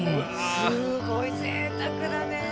すごいぜいたくだね。